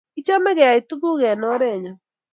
Kichame keyae tuguk eng orenyo